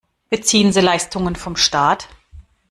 Beziehen Sie Leistungen von Staat?